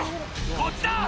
こっちだ！